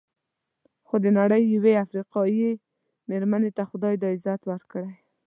خو د نړۍ یوې افریقایي مېرمنې ته خدای دا عزت ورکړی.